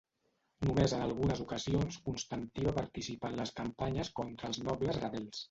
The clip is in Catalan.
Només en algunes ocasions Constantí va participar en les campanyes contra els nobles rebels.